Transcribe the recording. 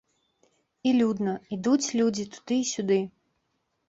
І людна, ідуць людзі туды і сюды.